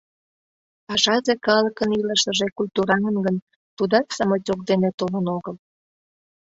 Пашазе калыкын илышыже культураҥын гын, тудат самотёк дене толын огыл.